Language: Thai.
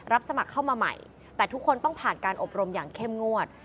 สมัครเข้ามาใหม่แต่ทุกคนต้องผ่านการอบรมอย่างเข้มงวด